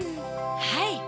はい！